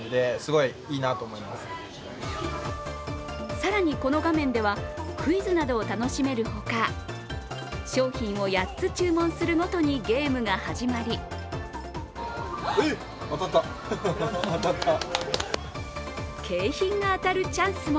更に、この画面では、クイズなどを楽しめるほか商品を８つ注文するごとにゲームが始まり景品が当たるチャンスも。